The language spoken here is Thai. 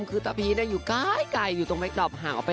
คือตะพีชน่ะอยู่ใกล้ใกล้อยู่ตรงไมค์ดอปห่างออกไป